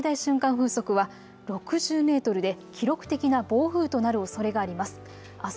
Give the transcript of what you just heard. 風速は６０メートルで記録的な暴風となるおそれがあります。